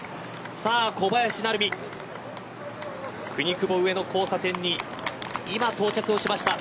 さあ小林成美くにくぼ上の交差点に今、到着しました。